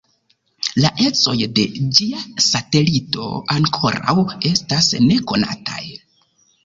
La ecoj de ĝia satelito ankoraŭ estas nekonataj.